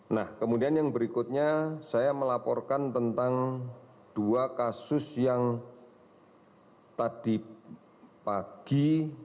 nah kemudian yang berikutnya saya melaporkan tentang dua kasus yang tadi pagi